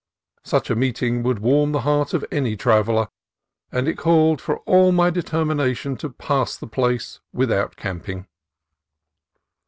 Such a meeting would warm the heart of any traveller, and it called for all my determination to pass the place without camping.